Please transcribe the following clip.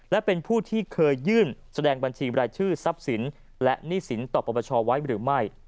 และเป็นผู้ที่เคยยื่นแสดงบัญชีบรายชื่อทรัพย์สินและหนี้สินต่อปรปชไว้หรือไม่